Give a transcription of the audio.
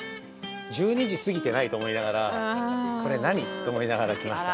１２時過ぎてないと思いながらこれ何？って思いながら来ました。